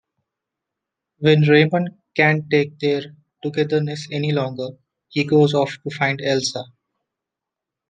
When Raymond can't take their togetherness any longer, he goes off to find Elsa.